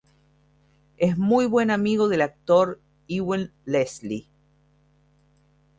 Es muy buen amigo del actor Ewen Leslie.